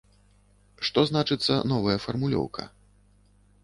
Што значыцца новая фармулёўка?